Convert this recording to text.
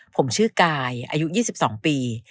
ผมชื่อกายอายุ๒๒ปี